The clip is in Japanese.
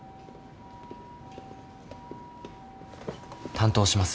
担当します